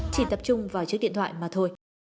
chỉ tập trung vào chiếc điện thoại mà thôi